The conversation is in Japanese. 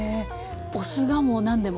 お酢がもう何でも。